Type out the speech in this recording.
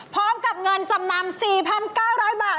พร้อมกับเงินจำนำ๔๙๐๐บาท